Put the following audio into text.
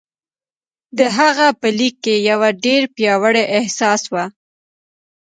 د هغه په ليک کې يو ډېر پياوړی احساس و.